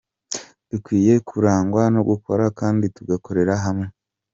Dukwiye kurangwa no gukora kandi tugakorera hamwe.”